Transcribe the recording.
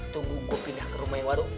tunggu gue pindah ke rumah yang baru